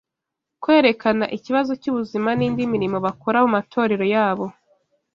kwerekana ikibazo cy’ubuzima n’indi mirimo bakora mu matorero yabo,